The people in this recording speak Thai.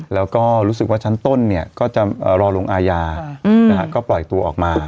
แล้วก็รู้สึกว่าชั้นต้นก็จะรอลงอาญาก็ปล่อยตัวออกมา